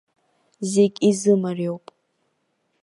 Зегь изымариоуп!